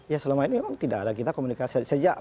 ya selama ini memang tidak ada kita komunikasi